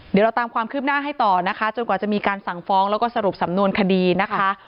เดี๋ยวเราตามความคืบหน้าให้ต่อนะคะจนกว่าจะมีการสั่งฟ้องแล้วก็สรุปสำนวนคดีนะคะ